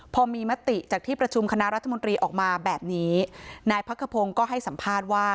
พอมีมติจากที่ประชุมคณะรัฐมนตรีออกมาแบบนี้นายพักขพงศ์ก็ให้สัมภาษณ์ว่า